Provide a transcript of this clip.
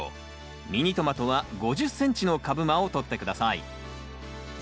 ミニトマトは５０ｃｍの株間をとって下さい。